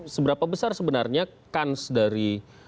seberapa besar sebenarnya kans dari